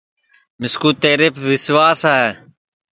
مِسکُو تیریپ وسواس ہے